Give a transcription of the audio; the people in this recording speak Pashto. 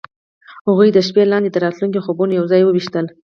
هغوی د شپه لاندې د راتلونکي خوبونه یوځای هم وویشل.